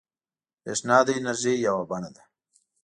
برېښنا د انرژۍ یوه بڼه ده.